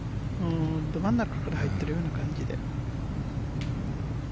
ど真ん中から入ってるような感じで。